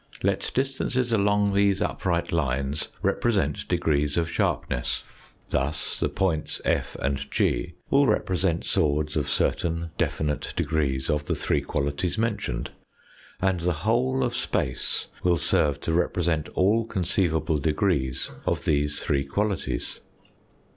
Let distances along these upright lines represent degrees of sharpness, thus the points F and G will represent swords of certain definite degrees of the three qualities mentioned, and the whole of space will serve to represent all conceivable degrees of these three qualities.